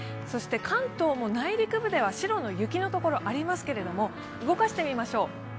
そして関東も内陸部では白の雪のところありますけれども動かしてみましょう。